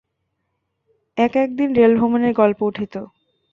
এক এক দিন রেলভ্রমণের গল্প উঠিত।